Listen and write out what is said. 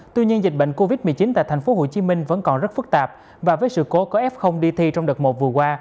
tuy nhiên dịch bệnh covid một mươi chín tại tp hcm vẫn còn rất phức tạp và với sự cố có f d trong đợt một vừa qua